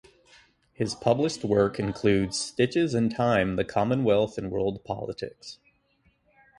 His published work includes "Stitches In Time; the Commonwealth in World Politics".